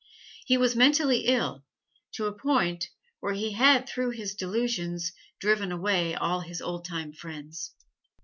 He was mentally ill, to a point where he had through his delusions driven away all his old time friends.